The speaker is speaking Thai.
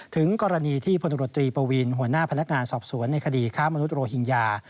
ถึงกรณีที่พลตำรวจตรีปวีนหัวหน้าพนักงานสอบสวนในคดีค้ามนุษยโรฮิงญา